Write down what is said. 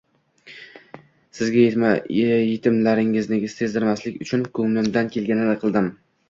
sizga yetimliklaringizni sezdirmaslik uchun ko'limdan kelganini qildim.